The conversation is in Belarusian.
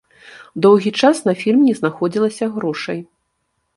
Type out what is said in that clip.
Доўгі час на фільм не знаходзілася грошай.